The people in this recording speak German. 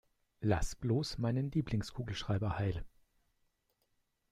Lass bloß meinen Lieblingskugelschreiber heil!